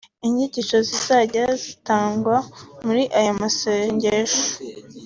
Inyigisho zizajya zitangirwa muri aya masengesho